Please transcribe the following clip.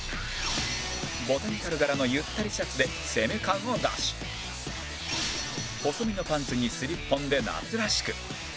ボタニカル柄のゆったりシャツで攻め感を出し細身のパンツにスリッポンで夏らしく